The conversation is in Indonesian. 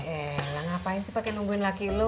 eh lah ngapain sih pake nungguin laki lo